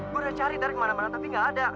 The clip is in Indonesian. gue udah cari dari kemana mana tapi gak ada